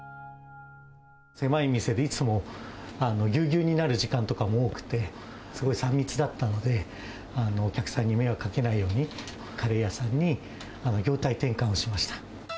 狭い店でいつもぎゅうぎゅうになる時間とかも多くて、すごい３密だったので、お客さんに迷惑かけないように、カレー屋さんに業態転換をしました。